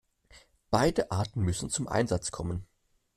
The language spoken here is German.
Beide Arten müssen zum Einsatz kommen.